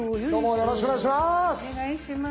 よろしくお願いします。